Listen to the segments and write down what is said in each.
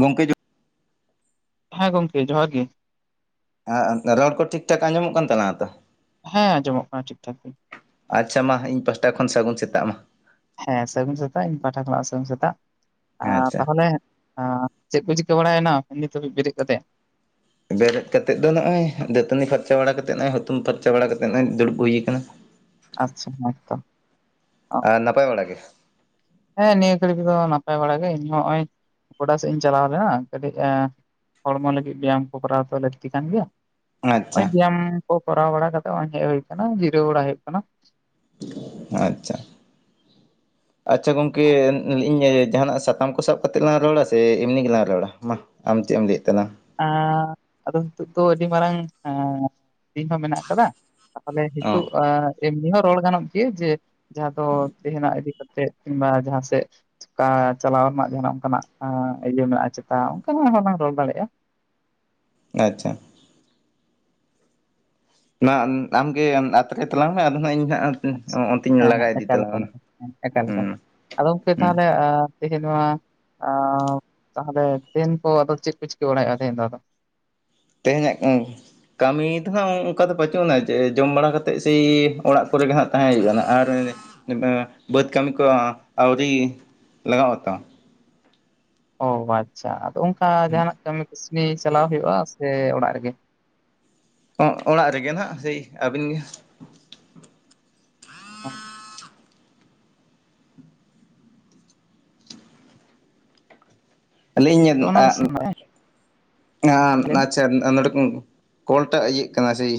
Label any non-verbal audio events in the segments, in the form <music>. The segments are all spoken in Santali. ᱜᱚᱝᱠᱮ ᱡᱚ ᱦᱮᱸ ᱜᱚᱝᱠᱮ, ᱡᱚᱦᱟᱨ ᱜᱮ᱾ ᱦᱮᱸ ᱮᱱᱛᱮ ᱨᱚᱲ ᱠᱚ ᱴᱷᱤᱠ ᱴᱷᱟᱠ ᱟᱸᱡᱚᱢᱚᱜ ᱠᱟᱱ ᱛᱟᱞᱟᱝᱟ ᱛᱚ? ᱦᱮᱸ, ᱟᱡᱚᱢᱚᱜ ᱠᱟᱱᱟ ᱴᱷᱤᱠ ᱴᱷᱟᱠ ᱜᱮ᱾ ᱟᱪᱪᱷᱟ ᱢᱟ, ᱤᱧ ᱯᱟᱥᱴᱟ ᱠᱷᱚᱱ ᱥᱟᱜᱩᱱ ᱥᱮᱛᱟᱜ ᱢᱟ᱾ ᱦᱮᱸ ᱥᱟᱹᱜᱩᱱ ᱥᱮᱛᱟᱜ, ᱤᱧ ᱯᱟᱦᱴᱟ ᱠᱷᱚᱱᱟᱜ ᱦᱚᱸ ᱥᱟᱹᱜᱩᱱ ᱥᱮᱛᱟᱜ, ᱟᱪᱪᱷᱟ᱾ ᱛᱟᱦᱚᱞᱮ ᱪᱮᱜ ᱠᱚ ᱪᱤᱠᱟᱹ ᱵᱟᱲᱟᱭᱮᱱᱟ ᱱᱤᱛ ᱦᱟᱹᱵᱤᱡ ᱵᱮᱨᱮᱫ ᱠᱟᱛᱮ? ᱵᱮᱨᱮᱫ ᱠᱟᱛᱮᱜ ᱫᱚ ᱱᱚᱜᱼᱚᱭ ᱫᱟᱹᱛᱟᱹᱱᱤ ᱯᱷᱟᱨᱪᱟ ᱵᱟᱲᱟ ᱠᱟᱛᱮᱜ ᱱᱚᱜᱚᱭ ᱦᱩᱛᱩᱢ ᱯᱷᱟᱨᱪᱟ ᱵᱟᱲᱟ ᱠᱟᱛᱮᱜ ᱱᱚᱜᱼᱚᱭ ᱫᱩᱲᱩᱵ ᱦᱩᱭ ᱠᱟᱱᱟ᱾ ᱟᱪᱪᱷᱟ, ᱦᱮᱸ ᱛᱚ᱾ ᱟᱨ ᱱᱟᱯᱟᱭ ᱵᱟᱲᱟ ᱜᱮ? ᱦᱮᱸ ᱱᱤᱭᱟᱹ ᱜᱷᱟᱹᱲᱤᱠ ᱫᱚ ᱱᱟᱯᱟᱭ ᱵᱟᱲᱟ ᱜᱮ, ᱤᱧ ᱦᱚᱸᱜᱼᱚᱭ ᱜᱚᱰᱟ ᱥᱮᱫ ᱤᱧ ᱪᱟᱞᱟᱣ ᱞᱮᱱᱟ ᱠᱟᱹᱴᱤᱡ ᱮ ᱦᱚᱲᱢᱚ ᱞᱟᱹᱜᱤᱫ ᱵᱮᱭᱟᱢ ᱠᱚ ᱠᱚᱨᱟᱣ ᱛᱚ ᱞᱟᱹᱠᱛᱤ ᱠᱟᱱ ᱜᱮᱭᱟ᱾ ᱦᱚᱜ-ᱚᱭ ᱟᱪᱪᱷᱟ ᱵᱮᱭᱟᱢ ᱠᱚ ᱠᱚᱨᱟᱣ ᱵᱟᱲᱟ ᱠᱟᱛᱮᱜ ᱦᱚᱜ-ᱚᱭ ᱦᱮᱡ ᱦᱩᱭ ᱟᱠᱟᱱᱟ, ᱡᱤᱨᱟᱹᱣ ᱵᱟᱲᱟ ᱦᱩᱭᱩᱜ ᱠᱟᱱᱟ᱾ ᱟᱪᱪᱷᱟ᱾ ᱟᱪᱪᱷᱟ ᱜᱚᱝᱠᱮ, ᱤᱧ ᱡᱟᱦᱟᱸᱱᱟᱜ ᱥᱟᱛᱟᱢ ᱠᱚ ᱥᱟᱵ ᱠᱟᱛᱮᱜ ᱞᱟᱝ ᱨᱚᱲᱟ ᱥᱮ ᱮᱢᱱᱤ ᱜᱮᱞᱟᱝ ᱨᱚᱲᱟ? ᱢᱟ ᱟᱢ ᱪᱮᱫ ᱮᱢ ᱞᱟᱹᱭᱮᱫ ᱛᱟᱞᱟᱝᱼᱟ ᱾ ᱟᱸᱻ ᱟᱫᱚ ᱱᱤᱛᱳᱜ ᱫᱚ ᱟᱹᱰᱤ ᱢᱟᱨᱟᱝ ᱦᱮᱸ᱾ ᱥᱤᱧ ᱦᱚᱸ ᱢᱮᱱᱟᱜ ᱟᱠᱟᱫᱟ ᱛᱟᱦᱚᱞᱮ ᱱᱤᱛᱚᱜ ᱚ ᱟ ᱾ ᱮᱢᱱᱤ ᱦᱚᱸ ᱨᱚᱲ ᱜᱟᱱᱚᱜ ᱜᱮᱭᱟ ᱡᱮ ᱡᱟᱦᱟᱸ ᱫᱚ ᱛᱮᱦᱮᱱᱟᱜ ᱤᱫᱤ ᱠᱟᱛᱮᱜ ᱠᱤᱢᱵᱟ ᱡᱟᱦᱟᱸ ᱥᱮᱫ ᱪᱤᱠᱟ ᱪᱟᱞᱟᱣ ᱨᱮᱱᱟᱜ ᱡᱟᱦᱟᱱᱟᱜ ᱚᱱᱠᱟᱱᱟᱜ ᱟ ᱤᱭᱟᱹ ᱢᱮᱱᱟᱜᱼᱟ ᱪᱮᱛᱟ ᱚᱱᱠᱟᱱᱟᱜ ᱦᱚᱸᱞᱟᱝ ᱨᱚᱲ ᱫᱟᱲᱮᱜᱼᱟ᱾ ᱟᱪᱪᱷᱟ᱾ ᱚᱱᱟ ᱟᱢ ᱟᱢᱜᱮ ᱟᱛᱨᱮ ᱛᱟᱞᱟᱝ ᱢᱮ ᱟᱫᱚ ᱱᱟᱦᱟᱸᱜ ᱤᱧ ᱦᱟᱸᱜ ᱟᱪᱪᱷᱟ ᱚᱸ ᱚᱱᱛᱮᱧ ᱦᱮᱸ ᱞᱟᱜᱟ ᱦᱮᱸ ᱤᱫᱤ ᱮᱠᱟᱞ ᱛᱟᱞᱟᱝᱼᱟ ᱮᱠᱟᱞ ᱚᱱᱟ, ᱦᱮᱸ ᱮᱠᱟᱞ ᱦᱩᱸ ᱮᱠᱟᱞ ᱟᱫᱚ ᱠᱮ ᱦᱩᱸ᱾ ᱛᱟᱞᱦᱮ ᱮ ᱛᱮᱦᱤᱧ ᱱᱚᱣᱟ ᱟᱨ ᱛᱟᱦᱚᱞᱮ ᱫᱮᱧ ᱠᱚ ᱟᱫᱚ ᱪᱮᱫ ᱠᱚ ᱪᱤᱠᱟᱹ ᱵᱟᱲᱟᱭᱮᱜ-ᱟ ᱛᱮᱦᱮᱧ ᱫᱚ ᱟᱫᱚ? ᱛᱮᱦᱮᱧᱟᱜ ᱠᱟᱹᱢᱤ ᱠᱟᱹᱢᱤ ᱫᱚ ᱱᱟᱦᱟᱜ ᱚᱝᱠᱟ ᱫᱚ ᱵᱟᱹᱪᱩᱜ ᱟᱱᱟ ᱡᱮ ᱡᱚᱢ ᱵᱟᱲᱟ ᱠᱟᱛᱮᱜ ᱥᱮᱭ ᱚᱲᱟᱜ ᱠᱚᱨᱮᱜᱮ ᱱᱟᱦᱟᱜ ᱛᱟᱦᱮᱸ ᱦᱩᱭᱩᱜᱼᱟ ᱠᱟᱱᱟ, ᱟᱨ ᱵᱟᱝᱼᱟ ᱵᱟᱹᱫᱽ ᱠᱟᱹᱢᱤ ᱠᱚ ᱟᱣᱨᱤ ᱞᱟᱜᱟᱣ ᱟᱛᱚ ᱚ ᱵᱟᱪᱪᱷᱟ ᱟᱫᱚ ᱚᱱᱠᱟ ᱡᱟᱦᱟᱱᱟᱜ ᱠᱟᱹᱢᱤ ᱠᱟᱹᱥᱱᱤ ᱪᱟᱞᱟᱣ ᱦᱩᱭᱩᱜᱼᱟ ᱥᱮ ᱚᱲᱟᱜ ᱨᱮᱜᱮ? ᱚᱜ ᱚᱲᱟᱜ ᱨᱮᱜᱮ ᱱᱟᱦᱟᱜ ᱥᱮᱭ ᱟᱹᱵᱤᱱ ᱜᱮ? ᱦᱚᱸ ᱟᱞᱤᱧ ᱚᱱᱟ ᱠᱚ ᱟᱜ ᱱᱟ ᱞᱟᱹᱭ ᱢᱮ ᱱᱟᱪᱟᱱ ᱟᱸᱫᱚᱲ ᱠᱚ ᱠᱚᱞᱴᱟᱜ ᱤᱭᱟᱹᱜ ᱠᱟᱱᱟ ᱥᱮᱭ,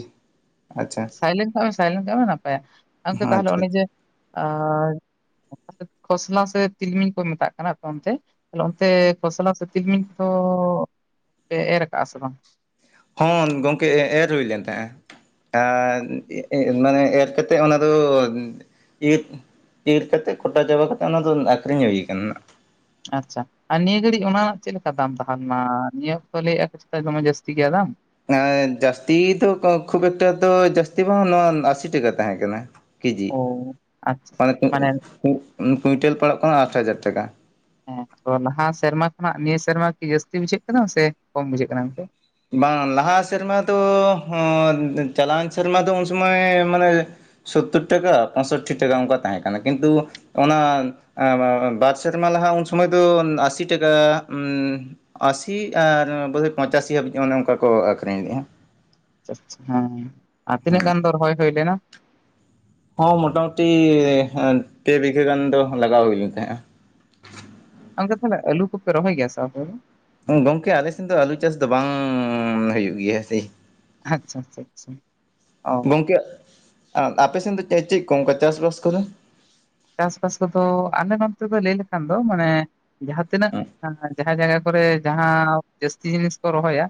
ᱟᱪᱪᱷᱟ᱾ ᱥᱟᱭᱞᱮᱱᱴ ᱠᱟᱜ ᱢᱮ ᱥᱟᱭᱞᱮᱱᱴ ᱠᱟᱜ ᱢᱮ ᱱᱟᱯᱟᱭᱟ᱾ ᱜᱚᱢᱠᱮ ᱛᱟᱦᱚᱞᱮ ᱟᱪᱪᱷᱟ ᱚᱱᱮ ᱡᱮ ᱟᱻ ᱠᱷᱚᱥᱞᱟ ᱥᱮ ᱛᱤᱞᱢᱤᱧ ᱠᱚ ᱢᱮᱛᱟᱜ ᱠᱟᱱᱟ ᱟᱯᱮ ᱚᱱᱛᱮ? ᱚᱱᱛᱮ ᱠᱷᱚᱥᱞᱟ ᱥᱮ ᱛᱤᱞᱢᱤᱧ ᱠᱚᱫᱚᱻ ᱯᱮ ᱮᱨ ᱠᱟᱜᱼᱟ ᱥᱮ ᱵᱟᱝ? ᱦᱚᱸ ᱜᱚᱝᱠᱮ ᱮᱨ ᱦᱩᱭ ᱞᱮᱱ ᱛᱟᱦᱮᱸᱜᱼᱟ ᱟᱨ <inaudible> ᱢᱟᱱᱮ ᱮᱨ ᱠᱟᱛᱼᱼ ᱛᱮᱫ ᱚᱱᱟᱫᱚ ᱤᱨᱻ ᱤᱨ ᱠᱟᱛᱮᱜ ᱠᱚᱴᱟ ᱪᱟᱵᱟ ᱠᱟᱛᱮᱜ ᱚᱱᱟᱫᱚ ᱟᱹᱠᱷᱨᱤᱧ ᱦᱩᱭ ᱟᱠᱟᱱᱟ᱾ ᱟᱪᱪᱷᱟ, ᱟᱨ ᱱᱤᱭᱟᱹ ᱜᱷᱟᱹᱲᱤᱡ ᱚᱱᱟ ᱪᱮᱫ ᱞᱮᱠᱟ ᱫᱟᱢ ᱛᱟᱦᱮ ᱞᱮᱱᱟ ᱱᱤᱭᱟᱹ ᱚᱠᱛᱚ ᱞᱟᱹᱭᱮᱜ ᱟ ᱫᱚᱢᱮ ᱡᱟᱹᱥᱛᱤ ᱜᱮᱭᱟ ᱫᱟᱢ? ᱮᱸ ᱡᱟᱹᱥᱛᱤ ᱫᱚ ᱠᱷᱩᱵ ᱮᱠᱴᱟ ᱫᱚ ᱡᱟᱹᱥᱛᱤ ᱵᱟᱝ ᱱᱚᱣᱟ ᱟᱥᱤ ᱴᱟᱠᱟ ᱛᱟᱦᱮᱸ ᱠᱟᱱᱟ ᱾ ᱠᱮᱡᱤ᱾ ᱚ ᱢᱟᱱᱮ ᱠᱩᱸᱜ ᱠᱩᱸᱜ ᱠᱩᱸᱭᱴᱮᱞ ᱯᱟᱲᱟᱜ ᱠᱟᱱᱟ ᱟᱴ ᱦᱟᱡᱟᱨ ᱴᱟᱠᱟ᱾ ᱦᱮᱸ ᱛᱚ, ᱞᱟᱦᱟ ᱥᱮᱨᱢᱟ ᱠᱷᱚᱱᱟᱜ ᱱᱤᱭᱟᱹ ᱥᱮᱨᱢᱟ ᱠᱤ ᱡᱟᱹᱥᱛᱤ ᱵᱩᱡᱷᱟᱹᱜ ᱠᱟᱱᱟ ᱥᱮ ᱠᱚᱢ ᱵᱩᱡᱷᱟᱹᱜ ᱠᱟᱱᱟ ᱚᱱᱛᱮ? ᱵᱟᱝ ᱞᱟᱦᱟ ᱥᱮᱨᱢᱟ ᱫᱚ ᱦᱚᱸ ᱪᱟᱞᱟᱣᱮᱱ ᱥᱮᱨᱢᱟ ᱫᱚ ᱩᱱ ᱥᱚᱢᱚᱭ ᱢᱟᱱᱮ ᱥᱳᱛᱛᱳᱨ ᱴᱟᱠᱟ ᱯᱚᱸᱥᱳᱴᱴᱤ ᱴᱟᱠᱟ ᱚᱱᱠᱟ ᱛᱟᱦᱮᱸ ᱠᱟᱱᱟ, ᱠᱤᱱᱛᱩ ᱚᱱᱟ ᱮ ᱮ ᱵᱟᱨ ᱥᱮᱨᱢᱟ ᱞᱟᱦᱟ ᱩᱱ ᱥᱚᱢᱚᱭ ᱫᱚ ᱟᱥᱤ ᱴᱟᱠᱟ ᱩᱸ ᱟᱥᱤ ᱟᱨ ᱵᱳ ᱯᱚᱸᱪᱟᱥᱤ ᱦᱟᱹᱵᱤᱡ ᱚᱱᱮ ᱚᱝᱠᱟ ᱠᱚ ᱟᱹᱷᱨᱤᱧ ᱞᱮᱫᱼᱟ᱾ ᱦᱮᱸ ᱟᱨ ᱛᱤᱱᱟᱹᱜ ᱜᱟᱱ ᱫᱚᱨ ᱨᱚᱦᱚᱭ ᱦᱩᱭ ᱞᱮᱱᱟ? ᱦᱚᱸ ᱢᱚᱴᱟ ᱢᱩᱴᱤ ᱮ ᱯᱮ ᱵᱤᱜᱷᱟᱹ ᱜᱟᱱ ᱫᱚ ᱞᱟᱜᱟᱣ ᱦᱩᱭ ᱞᱮᱱ ᱛᱟᱦᱮᱸᱜᱼᱟ। ᱚᱱᱠᱟ ᱛᱟᱞᱦᱮ ᱟᱹᱞᱩ ᱠᱚᱯᱮ ᱨᱚᱦᱚᱭ ᱜᱮᱭᱟ ᱥᱮ ᱟᱯᱮ ᱫᱚ ᱜᱚᱝᱠᱮ ᱟᱞᱮ ᱥᱮᱱ ᱫᱚ ᱟᱞᱩ ᱪᱟᱥ ᱫᱚ ᱵᱟᱝᱼᱼ ᱦᱩᱭᱩᱜ ᱜᱮᱭᱟ ᱥᱮ ᱟᱪᱪᱷᱟ ᱟᱪᱪᱷᱟ ᱟᱪᱪᱷᱟ। ᱚ ᱜᱚᱝᱠᱮ ᱟ ᱟᱯᱮᱥᱮᱱ ᱫᱚ ᱪᱮᱫ ᱪᱮᱫ ᱠᱚ ᱚᱱᱠᱟ ᱪᱟᱥᱵᱟᱥ ᱠᱚᱫᱚ? ᱪᱟᱥᱵᱟᱥ ᱠᱚᱫᱚ ᱟᱞᱮ ᱱᱚᱛᱮᱫᱚ ᱞᱟᱹᱭ ᱞᱮᱠᱷᱟᱱ ᱫᱚ ᱢᱟᱱᱮ ᱡᱟᱦᱟᱸ ᱛᱤᱱᱟᱹᱜ ᱦᱩᱸ ᱡᱟᱦᱟᱸ ᱡᱟᱭᱜᱟ ᱠᱚᱨᱮ ᱡᱟᱦᱟᱸ ᱡᱟᱹᱥᱛᱤ ᱡᱤᱱᱤᱥ ᱠᱚ ᱨᱚᱦᱚᱭᱟ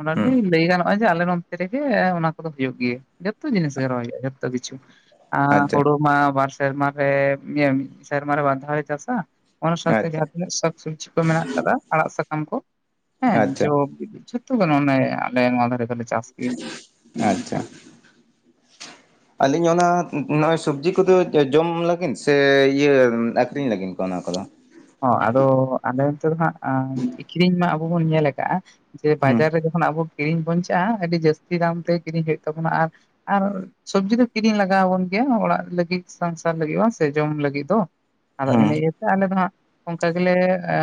ᱚᱱᱟ ᱠᱤ ᱦᱩᱸ ᱞᱟᱹᱭ ᱜᱟᱱᱚ ᱱᱚᱜᱼᱚᱭ ᱡᱮ ᱟᱞᱮ ᱱᱚᱛᱮ ᱨᱮᱜᱮ ᱚᱱᱟ ᱠᱚᱫᱚ ᱦᱩᱭᱩᱜ ᱜᱮᱭᱟ ᱡᱚᱛᱚ ᱡᱤᱱᱤᱥ ᱜᱮ ᱨᱚᱦᱚᱭ ᱦᱩᱭᱩᱜᱼᱟ ᱡᱚᱛᱚ ᱠᱤᱪᱷᱩ ᱟ ᱟᱪᱪᱷᱟ ᱦᱩᱲᱩ ᱢᱟ ᱵᱟᱨ ᱥᱮᱨᱢᱟᱨ ᱨᱮ ᱤᱭᱟᱹ ᱢᱤᱫ ᱥᱮᱨᱢᱟ ᱨᱮ ᱵᱟᱨ ᱫᱷᱟᱣ ᱞᱮ ᱪᱟᱥᱟ। ᱚᱱᱟ ᱥᱟᱶᱛᱮ ᱟᱪᱪᱷᱟ ᱡᱟᱦᱟᱸ ᱛᱤᱱᱟᱹᱜ ᱥᱟᱠ ᱥᱚᱵᱽᱡᱤ ᱠᱚ ᱢᱮᱱᱟᱜ ᱟᱠᱟᱫᱟ ᱟᱲᱟᱜ ᱥᱟᱠᱟᱢ ᱠᱚ ᱦᱮᱸ ᱟᱪᱪᱷᱟ ᱡᱚ ᱵᱤᱞᱤ ᱡᱷᱚᱼᱼ <unintelligible> ᱟᱞᱮ ᱱᱚᱣᱟ ᱫᱷᱟᱨᱮ ᱫᱚᱞᱮ ᱪᱟᱥ ᱜᱮᱭᱟ ᱟᱪᱪᱷᱟ, ᱟᱹᱞᱤᱧ ᱚᱱᱟ ᱱᱚᱜᱼᱚᱭ ᱥᱚᱵᱽᱡᱤ ᱠᱚᱫᱚ ᱡᱚᱢ ᱞᱟᱹᱜᱤᱫ ᱥᱮ ᱤᱭᱟᱹ ᱟᱹᱠᱷᱨᱤᱧ ᱞᱟᱹᱜᱤᱫ ᱠᱚ ᱚᱱᱟ ᱠᱚᱫᱚ? ᱦᱚᱸ ᱟᱫᱚ ᱟᱞᱮ ᱚᱱᱛᱮ ᱫᱚ ᱦᱟᱸᱜ ᱟᱹᱠᱷᱨᱤᱧ ᱢᱟ ᱟᱵᱚ ᱵᱚᱱ ᱧᱮᱞ ᱟᱠᱟᱜᱼᱟ ᱡᱮ ᱵᱟᱡᱟᱨ ᱦᱩᱸ ᱨᱮ ᱠᱷᱚᱱᱟᱜ ᱟᱵᱚ ᱠᱤᱨᱤᱧ ᱵᱚᱱ ᱪᱟᱜᱼᱟ ᱟᱹᱰᱤ ᱡᱟᱹᱥᱛᱤ ᱫᱟᱢ ᱛᱮ ᱠᱤᱨᱤᱧ ᱦᱩᱭᱩᱜ ᱛᱟᱵᱚᱱᱟ ᱟᱨ, ᱟᱨ ᱥᱚᱵᱽᱡᱤ ᱫᱚ ᱠᱤᱨᱤᱧ ᱞᱟᱜᱟᱣ ᱟᱵᱚᱱ ᱜᱮᱭᱟ ᱚᱲᱟᱜ ᱞᱟᱹᱜᱤᱫ ᱥᱚᱝᱥᱟᱨ ᱞᱟᱹᱜᱤᱫ ᱦᱚᱸ ᱥᱮ ᱡᱚᱢ ᱞᱟᱹᱜᱤᱫ ᱫᱚ ᱾ ᱟᱫᱚ ᱦᱩᱸ ᱤᱭᱮᱹ ᱜᱮᱛᱮ ᱟᱞᱮ ᱫᱚ ᱦᱟᱸᱜ ᱚᱝᱠᱟ ᱜᱮᱞᱮ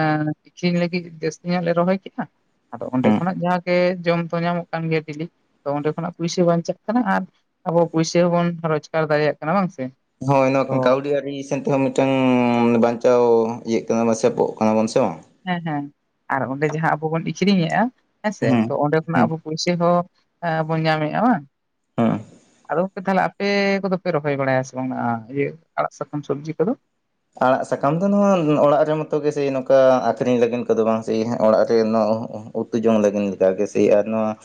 <inaudible> ᱟᱹᱠᱷᱨᱤᱧ ᱞᱟᱹᱜᱤᱫ ᱡᱟᱹᱥᱛᱤ ᱧᱚᱜ ᱞᱮ ᱨᱚᱦᱚᱭ ᱠᱮᱫᱟ ᱾ ᱟᱫᱚ ᱚᱸᱰᱮ ᱦᱩᱸ ᱠᱷᱚᱱᱟᱜ ᱡᱟᱦᱟᱸ ᱜᱮ ᱡᱚᱢ ᱛᱚ ᱧᱟᱢᱚᱜ ᱠᱟᱱ ᱜᱮᱭᱟ ᱰᱮᱞᱤ ᱛᱚ ᱚᱸᱰᱮ ᱠᱷᱚᱱᱟᱜ ᱯᱩᱭᱥᱟᱹ ᱵᱟᱧᱪᱟᱜ ᱠᱟᱱᱟ ᱟᱨ ᱟᱵᱚ ᱯᱩᱭᱥᱟᱹ ᱦᱚᱸᱵᱚᱱ ᱨᱚᱡᱽᱜᱟᱨ ᱫᱟᱲᱮᱭᱟᱜ ᱠᱟᱱᱟ ᱵᱟᱝ ᱥᱮ? ᱦᱳᱭ ᱛᱚ <inaudible> ᱠᱟᱹᱣᱰᱤ ᱟᱹᱨᱤ ᱮᱱ ᱛᱮᱦᱚᱸ ᱢᱤᱫᱴᱟᱝ ᱵᱟᱧᱪᱟᱣ ᱤᱭᱟᱹᱜ ᱠᱟᱱᱟ ᱥᱮᱯᱚᱜ ᱠᱟᱱᱟ ᱵᱚᱱ ᱥᱮ ᱵᱟᱝ? ᱦᱮᱸ ᱦᱮᱸ ᱟᱨ ᱚᱸᱰᱮ ᱡᱟᱦᱟᱸ ᱟᱵᱚ ᱵᱚᱱ ᱤᱪᱨᱤᱧᱮᱜᱼᱟ ᱦᱮᱸᱥᱮ ᱦᱩᱸ ᱛᱚ ᱚᱸᱰᱮ ᱠᱷᱚᱱᱟᱜ ᱦᱩᱸ ᱟᱵᱚ, ᱯᱚᱭᱥᱟᱹ ᱦᱚᱸ ᱮᱸ ᱵᱚᱱ ᱧᱟᱢᱮᱫᱼᱟ ᱵᱟᱝ? ᱦᱩᱸᱜ ᱦᱩᱸ, ᱟᱫᱚᱯᱮ ᱛᱟᱞᱦᱮ ᱟᱯᱮ ᱠᱚᱫᱚ ᱯᱮ ᱨᱚᱦᱚᱭ ᱵᱟᱲᱟᱭᱟ ᱥᱮ ᱵᱟᱝ ᱤᱭᱟᱹ ᱟᱲᱟᱜ ᱥᱟᱠᱟᱢ ᱥᱚᱵᱽᱡᱤ ᱠᱚᱫᱚ? ᱟᱲᱟᱜ ᱥᱟᱠᱟᱢ ᱫᱚ ᱱᱚᱣᱟ ᱚᱲᱟᱜ ᱨᱮ ᱢᱚᱛᱚ ᱜᱮ ᱥᱮ ᱱᱚᱝᱠᱟ ᱟᱹᱠᱷᱨᱤᱧ ᱞᱟᱹᱜᱤᱫ ᱠᱚᱫᱚ ᱵᱟᱝ ᱥᱮ ᱚᱲᱟᱜ ᱨᱮ ᱱᱚᱣᱟ ᱩᱛᱩ ᱡᱚᱝ ᱞᱟᱹᱜᱤᱫ ᱞᱮᱠᱟᱜᱮ ᱥᱮ ᱟᱨ ᱱᱚᱣᱟ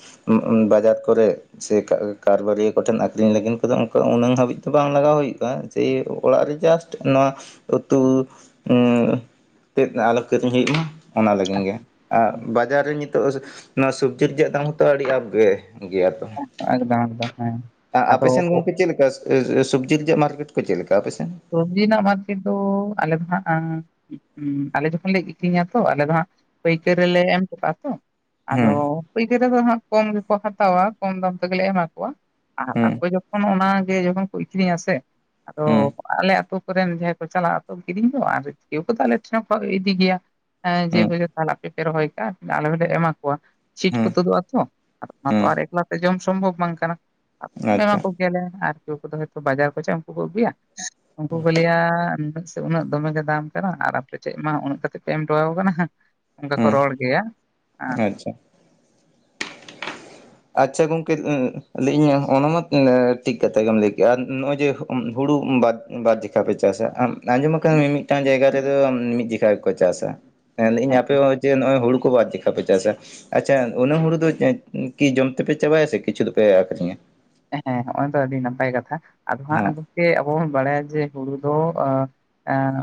ᱵᱟᱡᱟᱨ ᱠᱚᱨᱮ ᱥᱮ <inaudible> ᱠᱟᱨᱵᱟᱨᱤᱭᱟᱹ ᱠᱚ ᱴᱷᱮᱱ ᱟᱹᱠᱷᱨᱤᱧ ᱞᱟᱹᱜᱤᱱ ᱠᱚᱫᱚ ᱚᱱᱠᱟ ᱩᱱᱟᱹᱝ ᱦᱟᱹᱵᱤᱡ ᱫᱚ ᱵᱟᱝ ᱞᱟᱜᱟᱣ ᱦᱩᱭᱩᱜᱼᱟ ᱾ ᱛᱮ ᱚᱲᱟᱜ ᱨᱮ ᱡᱟᱥᱴ ᱱᱚᱣᱟ ᱩᱛᱩ <inaudible> ᱛᱮᱫ ᱟᱞᱚ ᱠᱤᱨᱤᱧ ᱦᱩᱭᱩᱜ ᱢᱟ ᱚᱱᱟ ᱞᱟᱹᱜᱤᱱ ᱜᱮ ᱟᱨ ᱵᱟᱡᱟᱨ ᱨᱮ ᱱᱤᱛᱚᱜ ᱱᱚᱣᱟ ᱥᱚᱵᱽᱡᱤ ᱨᱮᱭᱟᱜ ᱫᱟᱢ ᱦᱚᱸᱛᱚ ᱟᱹᱰᱤ ᱟᱯ ᱜᱮ ᱜᱮᱭᱟ ᱛᱚ? ᱮᱠᱫᱚᱢ ᱮᱠᱫᱚᱢ ᱦᱮᱸ ᱟ ᱟᱯᱮ ᱟᱫᱚ ᱥᱮᱱ ᱜᱚᱝᱠᱮ ᱪᱮᱫ ᱞᱮᱠᱟ? <inaudible> ᱥᱚᱵᱽᱡᱤ ᱨᱮᱭᱟᱜ ᱢᱟᱨᱠᱮᱴ ᱠᱚ ᱪᱮᱫ ᱞᱮᱠᱟ ᱟᱯᱮᱥᱮᱱ? ᱥᱚᱵᱽᱡᱤ ᱨᱮᱱᱟᱜ ᱢᱟᱨᱠᱮᱴ ᱫᱚ ᱟᱞᱮ ᱫᱚ ᱦᱟᱸᱜ <inaudible> ᱟᱞᱮ ᱡᱚᱠᱷᱚᱱ ᱞᱮ ᱟᱹᱠᱷᱨᱤᱧᱟ ᱛᱚ ᱟᱞᱮ ᱫᱚ ᱦᱟᱸᱜ ᱯᱟᱹᱭᱠᱟᱨ ᱨᱮᱞᱮ ᱮᱢ ᱴᱚᱜ ᱠᱟᱜᱼᱟ ᱛᱚ, ᱟᱫᱚ ᱦᱩᱸ ᱯᱟᱹᱭᱠᱟᱨ ᱨᱮᱫᱚ ᱦᱟᱸᱜ ᱠᱚᱢ ᱜᱮᱠᱚ ᱦᱟᱛᱟᱣᱟ ᱠᱚᱢ ᱫᱟᱢ ᱛᱮᱜᱮᱞᱮ ᱮᱢᱟ ᱠᱚᱣᱟ ᱾ ᱟᱨ ᱦᱩᱸ ᱟᱠᱚ ᱡᱚᱠᱟᱷᱚᱱ ᱚᱱᱟᱜᱮ ᱡᱚᱠᱷᱚᱱ ᱠᱚ ᱟᱹᱠᱷᱨᱤᱧᱟ ᱥᱮ ᱟᱫᱚ ᱦᱩᱸ ᱟᱞᱮ ᱟᱹᱛᱳ ᱠᱚᱨᱮᱱ ᱡᱟᱦᱟᱸᱭ ᱠᱚ ᱪᱟᱞᱟᱜᱼᱟᱛᱚ ᱠᱤᱨᱤᱧ ᱫᱚ ᱟᱨ ᱤᱭᱟᱹ ᱠᱚᱫᱚ ᱟᱞᱮ ᱴᱷᱮᱱ ᱠᱚᱣᱟᱜ ᱜᱮ ᱤᱫᱤ ᱜᱮᱭᱟ ᱾ ᱮᱸ ᱡᱮ ᱦᱩᱸ ᱠᱚ <inaudible> ᱟᱯᱮ ᱯᱮ ᱨᱚᱦᱚᱭ ᱠᱟᱜᱼᱟ ᱟᱞᱮ ᱦᱚᱸᱞᱮ ᱮᱢᱟ ᱠᱚᱣᱟ ᱾ ᱪᱷᱤᱴ ᱠᱚ ᱦᱩᱸ ᱛᱩᱫᱩᱜ ᱟᱛᱚ ᱟᱨ ᱚᱱᱟ ᱛᱚ ᱦᱩᱸ ᱟᱨ ᱮᱠᱞᱟ ᱛᱮ ᱡᱚᱢ ᱥᱚᱢᱵᱷᱚᱵᱽ ᱵᱟᱝ ᱠᱟᱱᱟ ᱾ ᱮᱢᱟ ᱟᱪᱪᱷᱟ ᱠᱚ ᱜᱮᱭᱟᱞᱮ ᱟᱨ ᱠᱮᱣ ᱠᱚᱫᱚ ᱦᱚᱛᱚ ᱵᱟᱡᱟᱨ ᱠᱚ ᱪᱟᱜᱼᱟ ᱩᱱᱠᱩ ᱠᱚ ᱟᱹᱜᱩᱭᱟ ᱾ ᱩᱱᱠᱩ ᱠᱚ ᱞᱟᱹᱭᱟ ᱩᱱᱟᱹᱜ ᱫᱚᱢᱮ ᱜᱮ ᱫᱟᱢ ᱠᱟᱱᱟ ᱟᱨ ᱟᱯᱮ ᱴᱮᱜ ᱢᱟ ᱩᱱᱟᱹᱜ ᱠᱟᱛᱤᱡ ᱯᱮ ᱮᱢᱴᱚᱣᱟ ᱠᱟᱱᱟ ᱾ ᱚᱱᱠᱟ ᱠᱚ ᱦᱩᱸ ᱨᱚᱲ ᱜᱮᱭᱟ ᱾ ᱟᱪᱪᱷᱟ, ᱟᱪᱪᱷᱟ ᱜᱚᱝᱠᱮ ᱞᱟᱹᱭ ᱤᱧ ᱚᱱᱟ ᱢᱟ ᱴᱷᱤᱠ ᱠᱟᱛᱷᱟ ᱜᱮᱢ ᱞᱟᱹᱭ ᱠᱮᱜᱼᱟ ᱱᱚᱜᱼᱚᱭ ᱡᱮ ᱦᱩᱲᱩ ᱵᱟᱫ ᱵᱟᱨ ᱡᱤᱠᱷᱟ ᱯᱮ ᱪᱟᱥᱟ ᱟᱸᱡᱚᱢ ᱠᱟᱜ ᱢᱤᱢᱤᱫᱴᱟᱝ ᱡᱟᱭᱜᱟ ᱨᱮᱫᱚ ᱢᱤᱫ ᱡᱷᱤᱠᱟ, ᱠᱚ ᱪᱟᱥᱟ ᱾ ᱢᱮᱱ ᱱᱟᱹᱧ ᱦᱮᱸ ᱟᱯᱮ ᱦᱚᱸ ᱡᱮ ᱱᱚᱜᱼᱚᱭ ᱦᱩᱲᱩ ᱠᱚ ᱵᱟᱨ ᱡᱮᱠᱷᱟ ᱯᱮ ᱪᱟᱥᱟ ᱟᱪᱪᱷᱟ ᱚᱱᱟ ᱦᱩᱲᱩ ᱫᱚ ᱠᱤ ᱡᱚᱢ ᱛᱮᱯᱮ ᱪᱟᱵᱟᱭᱟ ᱥᱮ ᱠᱤᱪᱷᱩ ᱫᱚ ᱯᱮ ᱟᱹᱠᱷᱨᱤᱧᱟ? ᱦᱮᱸ ᱦᱚᱜᱼᱚᱭ ᱫᱚ ᱟᱹᱰᱤ ᱱᱟᱯᱟᱭ ᱠᱟᱛᱷᱟ ᱟᱫᱚ ᱦᱟᱸᱜ ᱦᱚᱸ ᱟᱫᱚ ᱮ ᱟᱵᱚ ᱵᱚᱱ ᱵᱟᱲᱟᱭᱟ ᱡᱮ ᱦᱩᱲᱩ ᱫᱚ ᱚᱸ ᱮᱸ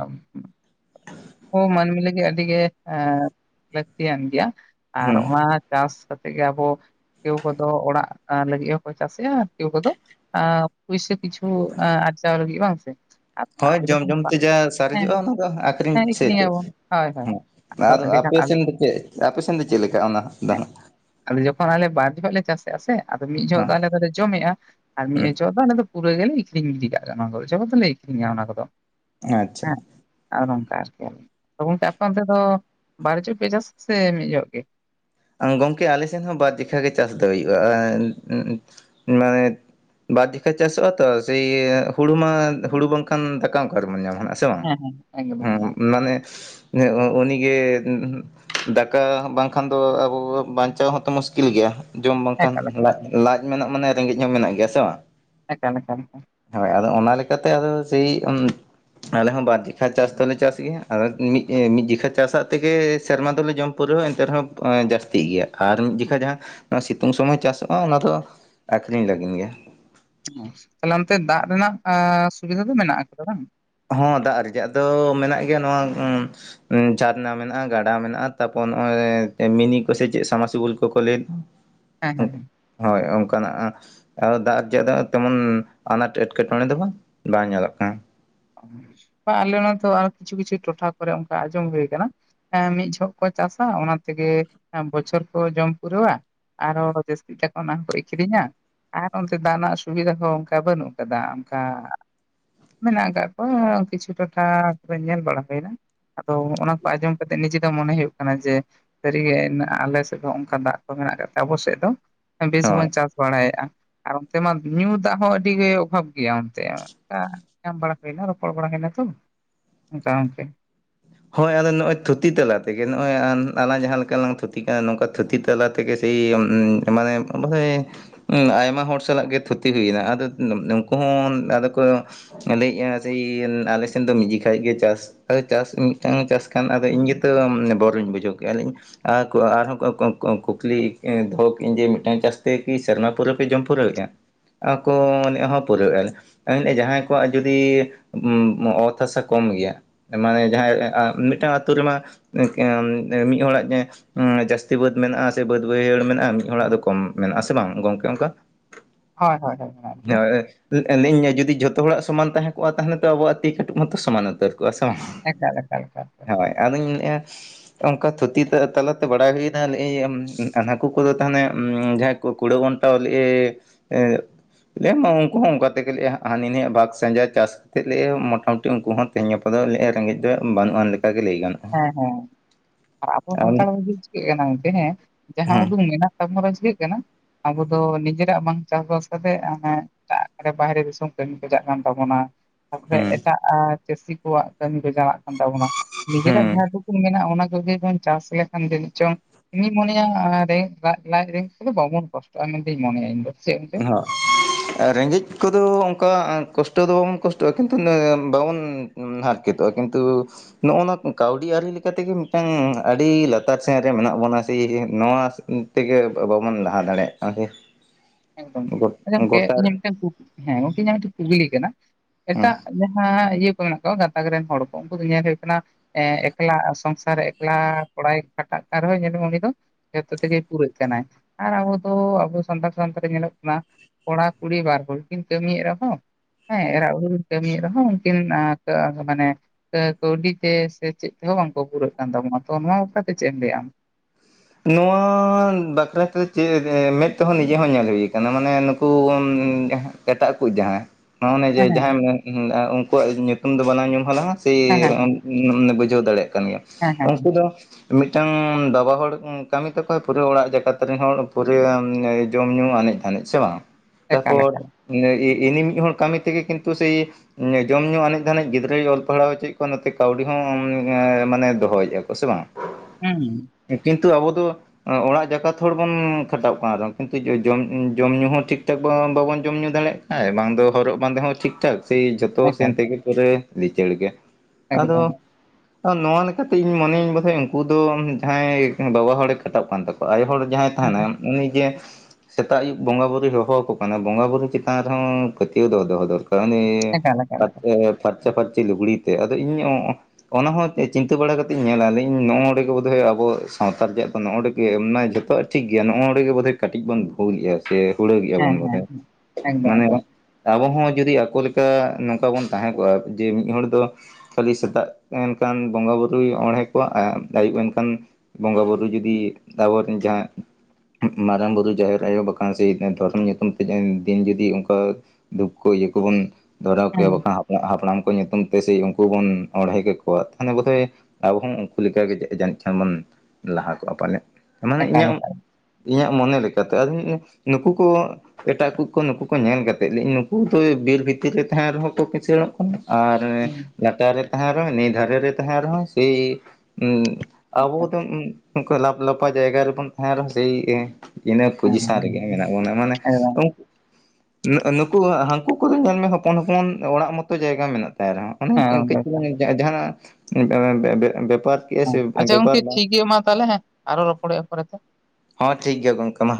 <inaudible> ᱦᱚᱸ ᱢᱟᱹᱱᱢᱤ ᱞᱟᱹᱜᱤᱫ ᱟᱹᱰᱤ ᱜᱮ ᱮᱸ ᱞᱟᱹᱠᱛᱤᱭᱟᱱ ᱜᱮᱭᱟ ᱟᱨ ᱦᱩᱸ ᱚᱱᱟ ᱪᱟᱥ ᱠᱟᱛᱮᱜ ᱜᱮ ᱟᱵᱚᱼᱼ ᱠᱮᱣ ᱠᱚᱫᱚ ᱚᱲᱟᱜ ᱞᱟᱹᱜᱤᱫ ᱦᱚᱸᱠᱚ ᱪᱟᱥᱮᱫᱼᱟ ᱠᱮᱣ ᱠᱚᱫᱚ ᱮᱸ ᱯᱩᱭᱥᱟᱹ ᱠᱤᱪᱷᱩ ᱮᱸ ᱟᱨᱡᱟᱣ ᱞᱟᱹᱜᱤᱫ ᱵᱟᱝ ᱥᱮ ᱾ ᱦᱳᱭ ᱡᱚᱢ ᱡᱚᱢᱛᱮ ᱡᱟ ᱥᱟᱨᱮᱡᱚᱜᱼᱟ ᱚᱱᱟ ᱫᱚ ᱟᱠᱷᱨᱤᱧ ᱦᱮᱸ ᱥᱮ ᱟᱹᱠᱷᱨᱤᱧ ᱟᱵᱚᱱ ᱪᱮᱫ? ᱦᱳᱭ ᱦᱳᱭ ᱦᱮᱸ ᱟᱫᱚ ᱟᱨ ᱮᱸᱰᱮᱠᱷᱟᱱ ᱟᱞᱮ ᱟᱯᱮᱥᱮᱱ ᱫᱚ ᱪᱮᱫ ᱟᱯᱮ ᱥᱮᱱ ᱫᱚ ᱪᱮᱫᱽ ᱞᱮᱠᱟ ᱚᱱᱟ ᱫᱚ? ᱟᱫᱚ ᱡᱚᱠᱷᱚᱱ ᱟᱞᱮ ᱵᱟᱨ ᱡᱚᱦᱚᱜ ᱞᱮ ᱪᱟᱥᱮᱜᱼᱟ ᱥᱮ ᱟᱫᱚ ᱢᱤᱫ ᱡᱚᱦᱚᱜ ᱦᱟᱸᱜ ᱫᱚ ᱟᱞᱮ ᱫᱚᱞᱮ ᱡᱚᱢᱮᱜᱼᱟ ᱾ ᱟᱨ ᱢᱤᱫ ᱦᱮᱸ ᱚᱡᱚᱜ ᱫᱚ ᱚᱱᱟ ᱫᱚ ᱯᱩᱨᱟᱹ ᱜᱮᱞᱮ ᱟᱹᱷᱨᱤᱧ ᱜᱤᱰᱤ ᱠᱟᱜ ᱠᱟᱱᱟ ᱚᱱᱟ ᱠᱚ ᱡᱚ ᱠᱚ ᱫᱚᱞᱮ ᱟᱹᱠᱷᱨᱤᱧᱟ ᱚᱱᱟ ᱠᱚᱫᱚ ᱦᱩᱸ ᱟᱪᱪᱷᱟ ᱦᱮᱸ ᱟᱨᱚᱢ ᱟᱨ ᱪᱮᱫ ᱛᱚ ᱜᱚᱝᱠᱮ ᱟᱯᱮ ᱚᱱᱛᱮ ᱫᱚ ᱵᱟᱨ ᱡᱚᱜ ᱯᱮ ᱪᱟᱥᱟ ᱥᱮ ᱢᱤᱫ ᱡᱚᱜ ᱜᱮ? ᱜᱚᱝᱠᱮ ᱟᱞᱮ ᱥᱮᱱ ᱦᱚᱸ ᱵᱟᱨ ᱡᱮᱠᱷᱟ ᱜᱮ ᱪᱟᱥ ᱫᱚ ᱦᱩᱭᱩᱜᱼᱟ ᱮᱸᱜᱻ ᱢᱟᱱᱮᱼᱼ ᱵᱟᱨ ᱫᱮᱠᱷᱟ ᱪᱟᱥᱚᱜᱼᱟ ᱛᱚ ᱥᱮᱭ ᱦᱩᱲᱩ ᱢᱟ ᱦᱩᱲᱩ ᱵᱟᱝᱠᱷᱟᱱ ᱫᱟᱠᱟ ᱚᱠᱟ ᱨᱮᱵᱚᱱ ᱧᱟᱢᱟ ᱱᱟᱜ ᱥᱮ ᱵᱟᱝ ᱦᱮᱸ ᱦᱮᱸ ᱮᱠᱫᱚᱢ ᱦᱩᱸ ᱮᱠᱫᱚᱢ ᱢᱟᱱᱮ ᱩᱱᱤ ᱜᱮ ᱫᱟᱠᱟ ᱵᱟᱝᱠᱷᱟᱱᱼᱼ ᱛᱚ ᱟᱵᱚ ᱵᱚ ᱵᱟᱧᱪᱟᱣ ᱦᱚᱸᱛᱚ ᱢᱩᱥᱠᱤᱞ ᱜᱮᱭᱟ ᱡᱚᱢ ᱵᱟᱝᱠᱷᱟᱱ ᱮᱠᱟᱞ ᱮᱠᱟᱞ ᱞᱟᱡᱼᱞᱟᱡ ᱢᱮᱱᱟᱜ ᱢᱟᱱᱮ ᱨᱮᱸᱜᱮᱡ ᱦᱚᱸ ᱢᱮᱱᱟᱜ ᱜᱮᱭᱟ ᱥᱮ ᱵᱟᱝ ᱮᱠᱟᱞ ᱮᱠᱟᱞ ᱮᱠᱟᱞ ᱦᱳᱭ ᱟᱫᱚ ᱚᱱᱟ ᱞᱮᱠᱟᱛᱮ ᱟᱫᱚ ᱥᱮᱭ ᱚᱱ ᱟᱞᱮᱦᱚᱸ ᱵᱟᱨ ᱡᱮᱠᱷᱟ ᱪᱟᱥ ᱫᱚᱞᱮ ᱪᱟᱥ ᱜᱮᱭᱟ ᱟᱨ ᱢᱤᱫ ᱢᱤᱫ ᱡᱮᱠᱷᱟ ᱪᱟᱥᱟᱜ ᱛᱮᱜᱮ ᱥᱮᱨᱢᱟ ᱫᱚᱞᱮ ᱡᱚᱢ ᱯᱩᱨᱟᱹᱣ ᱮᱱᱛᱮ ᱨᱮᱦᱚᱸ ᱡᱟᱹᱥᱛᱤᱜ ᱜᱮᱭᱟ ᱟᱨ ᱢᱤᱫ ᱡᱮᱠᱷᱟ ᱡᱟᱦᱟᱸ ᱥᱤᱛᱩᱝ ᱥᱚᱢᱚᱭ ᱪᱟᱥᱚᱜᱼᱟ ᱚᱱᱟ ᱫᱚᱼᱼ ᱟᱠᱷᱨᱤᱧ ᱞᱟᱹᱜᱤᱱ ᱜᱮ ᱾ ᱛᱟᱞᱦᱮ ᱚᱱᱛᱮ ᱫᱟᱜ ᱨᱮᱱᱟᱜ ᱮᱸ ᱥᱩᱵᱤᱫᱟ ᱫᱚ ᱢᱮᱱᱟᱜ ᱟᱠᱟᱫᱟ ᱵᱟᱝ ᱾ ᱦᱚᱸ ᱫᱟᱜ ᱨᱮᱭᱟᱜ ᱫᱚ ᱢᱮᱱᱟᱜ ᱜᱮᱭᱟ ᱱᱚᱣᱟ ᱚᱸ ᱡᱷᱟᱨᱱᱟ ᱢᱮᱱᱟᱜᱼᱟ ᱜᱟᱰᱟ ᱢᱮᱱᱟᱜᱼᱟ ᱛᱟᱨᱯᱚᱨ ᱱᱚᱜᱼᱚᱭ ᱢᱤᱱᱤ ᱠᱚ ᱥᱮ ᱪᱮᱫ ᱥᱟᱢᱟ ᱥᱤᱵᱩᱞ ᱠᱚᱠᱚ ᱞᱟᱹᱭ ᱫᱚ <inaudible> ᱦᱮᱸ ᱦᱮᱸ ᱦᱮᱸ ᱦᱳᱭ ᱚᱱᱠᱟᱱᱟᱜ ᱟᱸ ᱟᱫᱚ ᱫᱟᱜ ᱨᱮᱭᱟᱜ ᱫᱚ ᱛᱮᱢᱚᱱ ᱟᱱᱟᱴ ᱮᱴᱠᱮᱴᱚᱲᱮ ᱫᱚ ᱵᱟᱝ, ᱵᱟᱝ ᱧᱮᱞᱚᱜ ᱠᱟᱱᱟ ᱾ ᱵᱟ ᱟᱞᱮ ᱚᱱᱟ ᱛᱚ ᱟᱨ ᱠᱤᱪᱷᱩ ᱠᱤᱪᱷᱩ ᱴᱚᱴᱷᱟ ᱠᱚᱨᱮ ᱚᱱᱠᱟ ᱟᱸᱡᱚᱢ ᱦᱩᱭ ᱠᱟᱱᱟᱼᱼ ᱮᱸ ᱢᱤᱫ ᱡᱚᱦᱚᱜ ᱠᱚ ᱪᱟᱥᱟ ᱚᱱᱟ ᱛᱮᱜᱮ ᱵᱚᱪᱷᱚᱨ ᱠᱚ ᱡᱚᱢ ᱯᱩᱨᱟᱹᱣᱟ ᱾ ᱟᱨᱦᱚᱸ ᱡᱟᱹᱥᱛᱤ ᱛᱮᱠᱚ ᱚᱱᱟ ᱠᱚ ᱟᱹᱠᱷᱨᱤᱧᱟ ᱾ ᱟᱨ ᱚᱱᱛᱮ ᱫᱟᱜ ᱨᱮᱱᱟᱜ ᱥᱩᱵᱤᱫᱟ ᱠᱚ ᱚᱱᱠᱟ ᱵᱟᱹᱱᱩᱜ ᱠᱟᱫᱟ ᱚᱱᱠᱟ ᱢᱮᱱᱟᱜ ᱟᱠᱟᱜ ᱳᱭ ᱦᱚᱸ ᱠᱤᱪᱷᱩ ᱴᱚᱴᱷᱟ ᱠᱚᱨᱮ ᱧᱮᱞ ᱵᱟᱲᱟ ᱦᱩᱭᱱᱟ ᱟᱫᱚ ᱚᱱᱟ ᱠᱚ ᱟᱸᱡᱚᱢ ᱠᱟᱛᱮ ᱱᱤᱡᱮ ᱫᱚ ᱢᱚᱱᱮ ᱦᱩᱭᱩᱜ ᱠᱟᱱᱟ ᱡᱮ ᱥᱟᱹᱨᱤᱜᱮ ᱟᱞᱮ ᱥᱮᱫ ᱫᱚ ᱚᱱᱠᱟ ᱫᱟᱜ ᱠᱚ ᱢᱮᱱᱟᱜ ᱠᱟᱜ ᱛᱮ ᱟᱵᱚ ᱥᱮᱫ ᱫᱚ ᱵᱮᱥ ᱦᱳᱭ ᱵᱚᱱ ᱪᱟᱥ ᱵᱟᱲᱟᱭᱮᱜᱼᱟ ᱟᱨ ᱚᱱᱛᱮ ᱢᱟ ᱧᱩ ᱫᱟᱜ ᱦᱚᱸ ᱟᱹᱰᱤ ᱜᱮ ᱚᱵᱷᱟᱵᱽ ᱜᱮᱭᱟ ᱚᱱᱛᱮ ᱚᱱᱠᱟᱧ ᱵᱟᱲᱟ ᱦᱩᱭᱱᱟ ᱨᱚᱯᱚᱲ ᱵᱟᱲᱟ ᱦᱩᱭ ᱮᱱᱟ ᱛᱚ ᱚᱱᱠᱟ ᱚᱱᱛᱮ ᱦᱳᱭ ᱟᱫᱚ ᱱᱚᱜᱼᱚᱭ ᱛᱷᱩᱛᱤ ᱛᱟᱞᱟ ᱛᱮᱜᱮ ᱱᱚᱜᱼᱚᱭ ᱟᱞᱟᱝ ᱡᱟᱦᱟᱸ ᱞᱮᱠᱟ ᱞᱟᱝ ᱛᱷᱩᱛᱤ ᱠᱟᱱᱟ ᱱᱚᱝᱠᱟ ᱛᱷᱩᱛᱤ ᱛᱟᱞᱟ ᱛᱮᱜᱮ ᱥᱮᱭ ᱢᱟᱱᱮ ᱢᱟᱱᱮ ᱟᱭᱢᱟ ᱦᱚᱲ ᱥᱟᱞᱟᱜ ᱜᱮ ᱛᱷᱩᱛᱤ ᱦᱩᱭᱱᱟ ᱟᱫᱚ ᱩᱱᱩᱠᱩ ᱦᱚᱸ ᱟᱫᱚ ᱠᱚ ᱞᱟᱹᱭᱮᱫᱼᱟ ᱥᱮᱭ ᱟᱞᱮᱥᱮᱱ ᱫᱚ ᱢᱤᱫ ᱡᱮᱠᱷᱟ ᱜᱮ ᱪᱟᱥ ᱟᱫᱚ ᱪᱟᱥ ᱢᱤᱫᱴᱟᱝ ᱪᱟᱥ ᱠᱷᱟᱱ ᱟᱫᱚ ᱤᱧ ᱜᱮᱛᱚ ᱵᱚᱨᱤᱧ ᱵᱩᱡᱷᱟᱹᱣ ᱠᱮᱜᱼᱟ ᱞᱟᱹᱭᱼᱼ ᱟᱨ ᱠᱚ ᱟᱨᱦᱚᱸ ᱠᱚ ᱠᱚ ᱠᱚ ᱠᱩᱠᱞᱤ ᱫᱚᱦᱚ ᱠᱮᱜᱼᱟᱹᱧ ᱡᱮ ᱢᱤᱫᱴᱟᱱ ᱪᱟᱥᱛᱮ ᱠᱤ ᱥᱮᱨᱢᱟ ᱯᱩᱨᱟᱹᱣ ᱯᱮ ᱡᱚᱢ ᱯᱩᱨᱟᱹᱣᱮᱫᱼᱟ? ᱟᱠᱚ ᱢᱮᱱᱟ ᱦᱚᱸ ᱯᱩᱨᱟᱹᱣ ᱮᱜᱼᱟᱞᱮ ᱾ ᱡᱟᱦᱟᱸᱭ ᱠᱚᱣᱟᱜ ᱡᱚᱫᱤ ᱚᱛ ᱦᱟᱥᱟ ᱠᱚᱢ ᱜᱮᱭᱟ ᱢᱟᱱᱮ ᱡᱟᱦᱟᱸᱭ ᱟ ᱢᱤᱫᱴᱟᱝ ᱟᱛᱳ ᱨᱮᱢᱟ ᱢᱤᱫ ᱦᱚᱲᱟᱜ ᱡᱮ ᱩᱸ ᱡᱟᱹᱥᱛᱤ ᱵᱟᱹᱫ ᱢᱮᱱᱟᱜᱼᱟ, ᱥᱮ ᱵᱟᱹᱫ ᱵᱟᱹᱭᱦᱟᱹᱲ ᱢᱮᱱᱟᱜᱼᱟ ᱢᱤᱫ ᱦᱚᱲᱟᱜ ᱫᱚ ᱠᱚᱢ ᱢᱮᱱᱟᱜ ᱟᱥᱮ ᱵᱟᱝ ᱜᱚᱢᱠᱮ ᱚᱝᱠᱟ? ᱦᱳᱭ ᱦᱳᱭ ᱦᱳᱭ ᱢᱮᱱᱟᱜ ᱜᱮᱭᱟ <unintelligible> ᱟᱹᱞᱤᱧ ᱡᱩᱫᱤ ᱡᱷᱚᱛᱚ ᱦᱚᱲᱟᱜ ᱥᱚᱢᱟᱱ ᱛᱟᱦᱮᱸ ᱠᱚᱜᱼᱟ, ᱛᱟᱦᱚᱞᱮ ᱛᱚ ᱟᱵᱚᱣᱟᱜ ᱛᱤ ᱠᱟᱹᱴᱩᱵ ᱢᱟᱛᱚᱢᱟᱱ ᱩᱛᱟᱹᱨ ᱠᱚᱜᱼᱟ ᱦᱮᱸᱥᱮ ᱵᱟᱝ? ᱮᱠᱟᱞ ᱮᱠᱟᱞ ᱮᱠᱟᱞ᱾ ᱮᱠᱟᱞ ᱦᱮᱸ ᱟᱫᱩᱧ ᱞᱟᱹᱭ ᱮᱫ ᱟ ᱚᱝᱠᱟ ᱛᱷᱩᱛᱤ ᱛᱟᱞᱟᱛᱮ ᱵᱟᱲᱟᱭ ᱦᱩᱭᱱᱟ ᱦᱟᱹᱠᱩ ᱠᱚᱫᱚ ᱛᱟᱦᱞᱮ ᱛᱟᱦᱚᱞᱮ ᱡᱟᱦᱟᱸ ᱠᱩᱲᱳᱣ ᱚᱱᱴᱟᱣ ᱞᱟᱹᱭ ᱮᱜ ᱫᱮᱱ ᱢᱟ ᱩᱱᱠᱩ ᱦᱚᱸ ᱚᱝᱠᱟ ᱛᱮᱜᱮᱞᱮ ᱦᱟᱱᱤ ᱱᱤᱭᱟᱹᱟᱜ ᱵᱷᱟᱜᱽ ᱥᱮᱸᱡᱟ ᱪᱟᱥ ᱛᱮᱫ ᱞᱟᱹᱭᱟ ᱢᱚᱴᱟᱢᱩᱴᱤ ᱩᱱᱠᱩ ᱦᱚᱸ ᱛᱮᱦᱮᱧ ᱜᱟᱯᱟ ᱫᱚ ᱞᱟᱹᱭ ᱨᱮᱸᱜᱮᱡ ᱫᱚ ᱵᱟᱹᱱᱩᱜ ᱟᱱ ᱞᱮᱠᱟᱜᱮ ᱞᱟᱹᱭ ᱜᱟᱱᱚᱜ᱾ ᱦᱮᱸ ᱦᱮᱸ ᱟᱨ ᱟᱵᱚ ᱥᱟᱱᱛᱟᱲ ᱜᱚᱢᱠᱮ ᱪᱤᱠᱟᱹᱜ ᱠᱟᱱᱟ ᱮᱱᱛᱮ ᱦᱮᱸ ᱡᱟᱦᱟᱸ ᱦᱮᱸ ᱩᱰᱩᱠ ᱢᱮᱱᱟᱜ ᱛᱟᱨᱯᱚᱨᱮ ᱪᱤᱠᱟᱹᱜ ᱠᱟᱱᱟ, ᱟᱵᱚ ᱫᱚ ᱱᱤᱡᱮᱨᱟᱜ ᱵᱟᱝ ᱪᱟᱥ-ᱵᱟᱥ ᱠᱟᱛᱮᱜ ᱦᱟᱸᱱᱮ ᱮᱴᱟᱜ ᱟᱜ ᱨᱮ ᱵᱟᱦᱨᱮ ᱫᱤᱥᱚᱢ ᱠᱟᱹᱢᱤ ᱠᱚ ᱪᱟᱜᱠᱟᱱ ᱛᱟᱵᱚᱱᱟ, ᱛᱟᱯᱚᱨᱮ ᱦᱮᱸ ᱮᱴᱟᱜ ᱪᱟᱹᱥᱤ ᱠᱚᱣᱟᱜ ᱠᱟᱹᱢᱤ ᱠᱚ ᱪᱟᱞᱟᱜ ᱠᱟᱱ ᱛᱟᱵᱚᱱᱟ᱾ ᱦᱮᱸ ᱱᱤᱡᱮᱨᱟᱜ ᱡᱟᱦᱟᱸ ᱴᱩᱠᱩ ᱢᱮᱱᱟᱜᱼᱟ ᱚᱱᱟ ᱠᱚᱜᱮ ᱵᱚᱱ ᱪᱟᱥ ᱞᱮᱠᱷᱟᱱ ᱡᱟᱹᱱᱤᱡ ᱪᱚᱝ ᱤᱧ ᱫᱩᱧ ᱢᱚᱱᱮᱭᱟ ᱨᱮ ᱞᱟᱡ ᱨᱮ ᱛᱮᱫᱚ ᱵᱟᱵᱚᱱ ᱠᱚᱥᱴᱚᱜᱼᱟ ᱢᱮᱱᱛᱮᱧ ᱢᱚᱱᱮᱭᱟ ᱤᱧᱫᱚ ᱪᱮᱫ ᱜᱚᱢᱠᱮ? ᱦᱚᱸ ᱨᱮᱸᱜᱮᱡ ᱠᱚᱫᱚ ᱚᱝᱠᱟ ᱠᱚᱥᱴᱚ ᱫᱚ ᱵᱟᱵᱚᱱ ᱠᱚᱥᱴᱚᱜᱼᱟ ᱠᱤᱱᱛᱩ ᱟᱹ ᱵᱟᱵᱚᱱ ᱦᱟᱨᱠᱮᱛ ᱛᱚᱜᱼᱟ ᱠᱤᱱᱛᱩ ᱱᱚᱜ-ᱱᱚᱣᱟ ᱠᱟᱹᱣᱰᱤ ᱟᱹᱨᱤ ᱞᱮᱠᱟ ᱛᱮᱜᱮ ᱢᱤᱫᱴᱟᱱ ᱟᱹᱰᱤ ᱞᱟᱛᱟᱨ ᱥᱮᱱ ᱨᱮ ᱢᱮᱱᱟᱜ ᱵᱚᱱᱟ ᱥᱮ ᱤᱭᱟᱹ ᱱᱚᱣᱟ ᱛᱮᱜᱮ ᱵᱟᱵᱚᱱ ᱞᱟᱦᱟ ᱫᱟᱲᱮᱭᱟᱜᱼᱟ᱾ ᱮᱠᱫᱚᱢ ᱟ ᱜᱚᱝᱠᱮ ᱤᱧᱟᱹᱜ ᱢᱤᱫᱴᱮᱱ ᱠᱩᱠᱞᱤ ᱦᱮᱸ ᱜᱚᱝᱠᱮ ᱤᱧᱟᱹᱜ ᱢᱤᱫᱴᱮᱱ ᱠᱩᱠᱞᱤ ᱠᱟᱱᱟ ᱦᱮᱸ ᱮᱴᱟᱜ ᱡᱟᱦᱟᱸ ᱤᱭᱟᱹ ᱠᱚ ᱢᱮᱱᱟᱜ ᱠᱚᱣᱟ ᱜᱟᱛᱟᱠ ᱨᱮᱱ ᱦᱚᱲ ᱠᱚ ᱩᱱᱠᱩ ᱫᱚ ᱧᱮᱞ ᱦᱩᱭᱩᱜ ᱠᱟᱱᱟ ᱮ ᱮᱠᱞᱟ ᱥᱚᱝᱥᱟᱨ ᱨᱮ ᱮᱠᱞᱟ ᱠᱚᱲᱟᱭ ᱠᱷᱟᱴᱟᱜ ᱠᱟᱱ ᱨᱮᱦᱚᱭ ᱧᱮᱞᱮ ᱢᱮ ᱩᱱᱤ ᱫᱚ ᱡᱷᱚᱛᱚ ᱛᱮᱜᱮᱭ ᱯᱩᱨᱟᱹᱜ ᱠᱟᱱᱟᱭ, ᱟᱨ ᱟᱵᱚ ᱫᱚ ᱟᱵᱚ ᱥᱟᱱᱛᱟᱲ ᱥᱟᱱᱛᱟᱲ ᱨᱮ ᱧᱮᱞᱚᱜ ᱠᱟᱱᱟ ᱠᱚᱲᱟ ᱠᱩᱲᱤ ᱵᱟᱨ ᱦᱚᱲ ᱠᱤᱱ ᱠᱟᱹᱢᱤᱭᱮᱫ ᱨᱮᱦᱚᱸ ᱦᱮᱸ ᱮᱨᱟ-ᱩᱨᱩ ᱠᱟᱹᱢᱤᱭᱮᱫ ᱨᱮᱦᱚᱸ ᱩᱱᱠᱤᱱ ᱠᱟ ᱢᱟᱱᱮ ᱠᱟᱹᱣᱰᱤ ᱛᱮ ᱥᱮ ᱪᱮᱫ ᱛᱮᱦᱚᱸ ᱵᱟᱝᱠᱚ ᱯᱩᱨᱟᱹᱜ ᱠᱟᱱ ᱛᱟᱢᱚᱱᱟ ᱛᱚ ᱱᱚᱣᱟ ᱵᱟᱠᱷᱟᱨ ᱛᱮ ᱪᱮᱫ ᱮᱢ ᱞᱟᱹᱭ ᱟᱢ? ᱱᱚᱣᱟ ᱵᱟᱠᱷᱨᱟᱛᱮ ᱪᱮᱫ ᱢᱮᱫ ᱛᱮᱦᱚᱸ ᱱᱤᱡᱮ ᱦᱚᱸ ᱧᱮᱞ ᱦᱩᱭ ᱠᱟᱱᱟ ᱢᱟᱱᱮ ᱱᱩᱠᱩ ᱡᱟᱦᱟᱸ ᱮᱴᱟᱜ ᱠᱚ ᱡᱟᱦᱟᱸ ᱱᱚᱜᱚᱱᱮ ᱡᱮ ᱦᱮᱸ ᱡᱟᱦᱟᱸᱭ ᱩᱱᱠᱩᱣᱟᱜ ᱧᱩᱛᱩᱢ ᱫᱚ ᱵᱟᱞᱟᱝ ᱧᱩ ᱦᱟᱞᱟᱝᱼᱟ ᱥᱮ ᱦᱮᱸ ᱦᱮᱸ ᱚᱱ ᱩᱸ ᱵᱩᱡᱷᱟᱹᱣ ᱫᱟᱲᱮᱭᱟᱜ ᱠᱟᱱ ᱜᱮᱭᱟ, ᱦᱮᱸ ᱦᱮᱸ ᱦᱮᱸ ᱦᱮᱸ ᱩᱱᱠᱩ ᱫᱚ ᱢᱤᱫᱴᱟᱝ ᱵᱟᱵᱟ ᱦᱚᱲ ᱩᱸ ᱠᱟᱹᱢᱤ ᱛᱟᱠᱚ ᱯᱩᱨᱮ ᱚᱲᱟᱜ ᱡᱟᱠᱟᱛ ᱨᱮᱱ ᱦᱚᱲ ᱯᱩᱨᱮ ᱡᱚᱢ ᱧᱩ ᱟᱱᱮᱡ ᱫᱷᱟᱱᱮᱡ ᱥᱮ ᱵᱟᱝ? ᱮᱠᱟᱞ ᱛᱟᱯᱚᱨ ᱮᱠᱟᱞ ᱤᱱᱤ ᱢᱤᱫ ᱦᱚᱲ ᱠᱟᱹᱢᱤ ᱛᱮᱜᱮ ᱠᱤᱱᱛᱩ ᱥᱮᱭ ᱡᱚᱢ ᱧᱩ ᱟᱱᱮᱡ-ᱫᱷᱟᱱᱮᱡ ᱜᱤᱫᱽᱨᱟᱹᱭ ᱚᱞ ᱯᱟᱲᱦᱟᱣ ᱦᱚᱪᱚᱭᱮᱜ ᱠᱚᱣᱟ ᱱᱚᱛᱮ ᱠᱟᱹᱣᱰᱤ ᱦᱚᱸ ᱢᱟᱱᱮ ᱫᱚᱦᱚᱭᱮᱫᱼᱟ, ᱠᱚ ᱥᱮ ᱵᱟᱝᱟ? ᱦᱩᱸ᱾ ᱠᱤᱱᱛᱩ ᱟᱵᱚ ᱫᱚ ᱚᱲᱟᱜ ᱡᱟᱠᱟᱛ ᱦᱚᱲ ᱵᱚᱱ ᱠᱷᱟᱴᱟᱜ ᱠᱟᱱᱟ ᱨᱮᱦᱚᱸ ᱠᱤᱱᱛᱩ ᱡᱚᱢ ᱧᱩ ᱦᱚᱸ ᱴᱷᱤᱠ ᱴᱷᱟᱠ ᱵᱟᱵᱚᱱ ᱡᱚᱢ ᱧᱩ ᱫᱟᱲᱮᱜ ᱦᱮᱸ ᱵᱟᱝ ᱫᱚ ᱦᱚᱨᱚᱜ ᱵᱟᱸᱫᱮ ᱦᱚᱸ ᱴᱷᱤᱠ-ᱴᱷᱟᱠ ᱥᱮᱭ ᱡᱚᱛᱚ ᱮᱠᱟᱞ ᱥᱮᱱ ᱛᱮᱜᱮ ᱯᱩᱨᱟᱹ ᱞᱤᱪᱟᱹᱲ ᱜᱮ, ᱮᱠᱫᱚᱢ ᱟᱫᱚ ᱟ ᱱᱚᱣᱟ ᱞᱮᱠᱟᱛᱮ ᱤᱧ ᱢᱚᱱᱮᱭ ᱤᱧ ᱵᱳᱫᱷᱚᱭ ᱩᱝᱠᱩ ᱫᱚ ᱡᱟᱦᱟᱸᱭ ᱵᱟᱵᱟ ᱦᱚᱲᱮ ᱠᱷᱴᱟᱜ ᱠᱟᱱ ᱛᱟᱠᱚᱣᱟ ᱟᱭᱳ ᱦᱚᱲ ᱡᱟᱦᱟᱸᱭ ᱦᱮᱸ ᱛᱟᱦᱮᱸᱱᱟᱭ ᱩᱱᱤ ᱡᱮ ᱥᱮᱛᱟᱜ ᱟᱹᱭᱩᱵ ᱵᱚᱸᱜᱟ ᱵᱳᱨᱩᱭ ᱦᱚᱦᱚ ᱟᱠᱚ ᱠᱟᱱᱟ ᱵᱚᱸᱜᱟ ᱵᱳᱨᱳ ᱪᱮᱛᱟᱱ ᱨᱮᱦᱚᱸ ᱯᱟᱹᱛᱭᱟᱹᱣ ᱫᱚ ᱫᱚᱦᱚ ᱫᱚᱨᱠᱟᱨ ᱩᱱᱤ ᱮᱠᱟᱞ ᱮᱠᱟᱞ ᱠᱮ ᱯᱷᱟᱨᱪᱟ-ᱯᱷᱟᱨᱪᱤ ᱞᱩᱜᱽᱲᱤ ᱛᱮ ᱟᱫᱚ ᱤᱧᱦᱩᱧ ᱚᱧ ᱚᱱᱟ ᱦᱚᱸ ᱪᱤᱱᱛᱟᱹ ᱵᱟᱲᱟ ᱠᱟᱛᱮᱧ ᱧᱮᱞᱟ ᱞᱤᱧ ᱱᱚᱜ ᱱᱚᱰᱮ ᱜᱮ ᱵᱳᱫᱷᱚᱭ ᱟᱵᱚ ᱥᱟᱶᱛᱟ ᱨᱮᱡᱟᱜ ᱫᱚ ᱱᱚᱜ ᱱᱚᱰᱮ ᱜᱮ ᱮᱢ ᱚᱱᱟ ᱡᱚᱛᱚᱣᱟᱜ ᱴᱷᱤᱠ ᱜᱮᱭᱟ, ᱱᱚᱜ ᱱᱚᱰᱮ ᱜᱮ ᱵᱚᱫᱷᱚᱭ ᱠᱟᱹᱴᱤᱡ ᱵᱚᱱ ᱵᱷᱩᱞᱮᱜᱼᱟ᱾ ᱥᱮ ᱦᱩᱲᱟᱹᱜ ᱜᱮᱜᱼᱟ ᱦᱮᱸ ᱵᱚᱱ ᱦᱮᱸ ᱵᱚᱫᱷᱚᱭ ᱦᱮᱸ ᱮᱠᱫᱚᱢ ᱮᱠᱫᱚᱢ ᱢᱟᱱᱮᱼᱼ ᱟᱵᱚ ᱦᱚᱸ ᱡᱩᱫᱤ ᱟᱠᱚ ᱞᱮᱠᱟ, ᱱᱚᱝᱠᱟ ᱵᱚᱱ ᱛᱟᱦᱮᱸ ᱠᱚᱜ-ᱟ ᱡᱮ ᱢᱤᱫ ᱦᱚᱲ ᱫᱚᱼᱼ ᱠᱷᱟᱹᱞᱤ ᱥᱮᱛᱟᱜ ᱮᱱᱠᱟᱱ ᱵᱚᱸᱜᱟ ᱵᱩᱨᱩᱭ ᱚᱬᱦᱮᱸ ᱠᱚᱣᱟ ᱟᱨ ᱟᱹᱭᱩᱵ ᱮᱱᱠᱟᱱᱼᱼ ᱵᱚᱸᱜᱟ ᱵᱩᱨᱩ ᱡᱩᱫᱤ ᱟᱵᱚᱨᱮᱱ ᱡᱟᱦᱟᱸᱼᱼ ᱢᱟᱨᱟᱝ ᱵᱩᱨᱩ ᱡᱟᱦᱮᱨ ᱟᱭᱳ ᱵᱟᱠᱷᱟᱱ ᱥᱮ ᱫᱷᱚᱨᱚᱢ ᱧᱩᱛᱩᱢ ᱛᱮ ᱫᱤᱱ ᱡᱩᱫᱤ ᱚᱱᱠᱟᱼᱼ ᱫᱷᱩᱯ ᱠᱚ ᱤᱭᱟᱹ ᱠᱚᱵᱚᱱ ᱫᱷᱚᱨᱟᱣ ᱦᱮᱸ ᱠᱮᱭᱟ, ᱵᱟᱠᱷᱟᱱᱼᱼ <unintelligible> ᱦᱟᱯᱲᱟᱢ ᱠᱚ ᱧᱩᱛᱩᱢ ᱛᱮ ᱥᱮ ᱩᱱᱠᱩ ᱵᱚᱱ ᱚᱬᱦᱮᱸ ᱠᱮ ᱠᱚᱣᱟ ᱛᱟᱦᱞᱮ ᱵᱚᱫᱷᱚᱭ ᱟᱵᱚ ᱦᱚᱸᱼᱼ ᱩᱱᱠᱩ ᱞᱮᱠᱟᱜᱮ ᱡᱟᱹᱱᱤᱡ ᱠᱷᱟᱱ ᱵᱚᱱ ᱞᱟᱦᱟ ᱠᱚᱜᱼᱟ ᱯᱟᱞᱮ ᱢᱟᱱᱮ ᱮᱠᱟᱞ ᱤᱧᱟᱹᱜᱼᱼ ᱮᱠᱟᱞ ᱤᱧᱟᱹᱜ ᱢᱚᱱᱮ ᱞᱮᱠᱟ ᱛᱮ ᱟᱫᱚ <unintelligible> ᱱᱩᱠᱩ ᱠᱚᱼᱼ ᱮᱴᱟᱜ ᱠᱩ ᱠᱷᱚᱱ ᱱᱩᱠᱩ ᱠᱚ ᱧᱮᱞ ᱠᱟᱛᱮᱜ ᱞᱟᱹᱭᱮᱜ ᱟᱧ ᱱᱩᱠᱩ ᱫᱚ ᱵᱤᱨ ᱵᱷᱤᱛᱤᱨ ᱨᱮ ᱛᱟᱦᱮᱸ ᱨᱮᱦᱚᱸ ᱠᱚ ᱠᱤᱥᱟᱹᱬᱚᱜ ᱠᱟᱱᱟ᱾ ᱟᱨ ᱦᱩᱸ, ᱞᱟᱛᱟᱨ ᱨᱮ ᱛᱟᱦᱮᱱ ᱨᱮᱦᱚᱭ ᱱᱟᱹᱭ ᱫᱷᱟᱨᱮ ᱨᱮ ᱛᱟᱦᱮᱱ ᱨᱮᱦᱚᱭ ᱥᱮᱭ ᱩᱸᱼᱼ ᱟᱵᱚ ᱮᱠᱟᱞ, ᱫᱚ ᱞᱟᱯ ᱞᱟᱯᱟ ᱡᱟᱭᱜᱟ ᱨᱮᱵᱚᱱ ᱛᱟᱦᱮᱱ ᱨᱮᱦᱚᱸ ᱥᱮᱭ <unintelligible> ᱮᱼᱼ ᱤᱱᱟᱹ ᱦᱮᱸ ᱯᱚᱡᱤᱥᱮᱱ ᱦᱮᱸ ᱨᱮᱜᱮ ᱢᱮᱱᱟᱜ ᱵᱚᱱᱟ ᱢᱟᱱᱮ ᱮᱠᱫᱚᱢ ᱩᱱᱠᱩᱼᱼ ᱱᱩᱠᱩ ᱦᱟᱹᱱᱠᱩ ᱠᱚᱨᱮ ᱠᱷᱚᱱ ᱧᱮᱞ ᱢᱮ ᱦᱚᱯᱚᱱᱼᱦᱚᱯᱚᱱ ᱚᱲᱟᱜ ᱢᱚᱛᱚ ᱡᱟᱭᱜᱟ ᱢᱮᱱᱟᱜ ᱛᱟᱭ ᱨᱮᱦᱚᱸᱼᱼ <unintelligible> ᱚᱱᱮ ᱦᱮᱸ ᱚᱱᱠᱟ ᱠᱟᱹᱡ ᱜᱚᱝᱠᱮ ᱮᱠᱟᱞ ᱪᱩᱞᱩᱝ ᱡᱟᱦᱟᱱᱟᱜ ᱮᱸ ᱮᱸ ᱵᱮᱻ ᱵᱮᱯᱟᱨᱼᱼ <unintelligible> ᱟᱪᱪᱷᱟ ᱜᱚᱝᱠᱮ ᱴᱷᱤᱠ ᱜᱮᱭᱟ ᱢᱟ ᱛᱟᱦᱞᱮ ᱦᱮᱸ ᱟᱨᱚ ᱨᱚᱯᱚᱲ ᱦᱚᱭᱩᱜᱼᱟ ᱯᱚᱨᱮᱛᱮ᱾ ᱦᱚᱸ ᱴᱷᱤᱠ ᱜᱮᱭᱟ ᱜᱚᱝᱠᱮ ᱢᱟ᱾